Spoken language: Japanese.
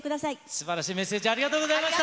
すばらしいメッセージありがとうございました。